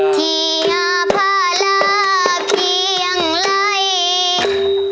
ที่อภาระเพียงไหล